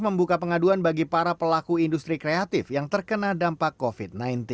membuka pengaduan bagi para pelaku industri kreatif yang terkena dampak covid sembilan belas